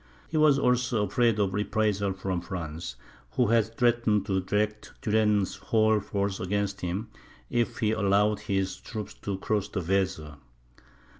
He was also afraid of reprisals from France, who had threatened to direct Turenne's whole force against him if he allowed his troops to cross the Weser.